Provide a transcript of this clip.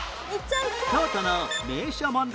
京都の名所問題